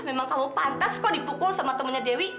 memang kamu pantas kok dipukul sama temennya dewi